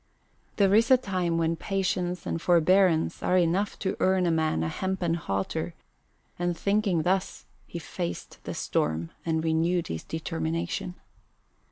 There is a time when patience and forbearance are enough to earn a man a hempen halter, and thinking thus, he faced the storm and renewed his determination.